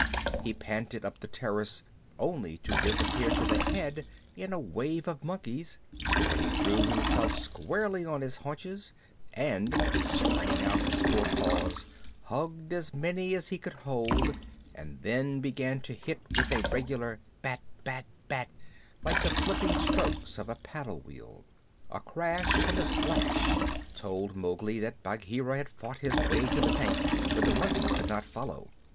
He panted up the terrace only to disappear to the head in a wave of monkeys, but he threw himself squarely on his haunches, and, spreading out his forepaws, hugged as many as he could hold, and then began to hit with a regular bat bat bat, like the flipping strokes of a paddle wheel. A crash and a splash told Mowgli that Bagheera had fought his way to the tank where the monkeys could not follow.